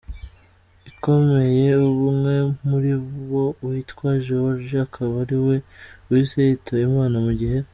ikomeye, umwe muri bo witwa George akaba ari we uhise yitaba Imana, mu gihe.